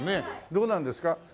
どうなんですか？